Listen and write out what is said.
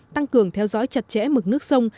tăng cường theo dõi chặt chẽ mực nước sông